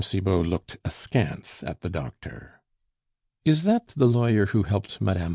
Cibot looked askance at the doctor. "Is that the lawyer who helped Mme.